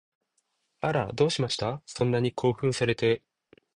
あら、どうしました？そんなに興奮されて